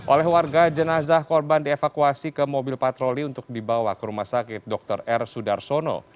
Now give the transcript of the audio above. oleh warga jenazah korban dievakuasi ke mobil patroli untuk dibawa ke rumah sakit dr r sudarsono